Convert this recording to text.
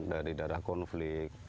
dari daerah konflik